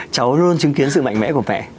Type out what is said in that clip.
cháu luôn chứng kiến sự mạnh mẽ của mẹ